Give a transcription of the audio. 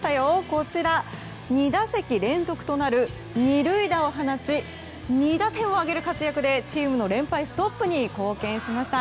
こちら、２打席連続となる２塁打を放ち２打点を挙げる活躍でチームの連敗ストップに貢献しました。